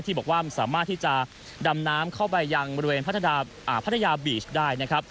บอกว่าสามารถที่จะดำน้ำเข้าไปยังบริเวณพัทยาบีชได้นะครับ